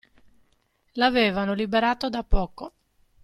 L'avevano liberato da poco